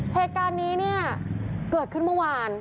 เหตุการณ์นี้เนี่ยเกิดขึ้นเมื่อวาน